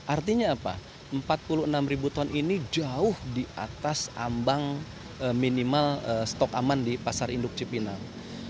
artinya apa empat puluh enam ribu ton ini jauh di atas ambang minimal stok aman di pasar induk cipinang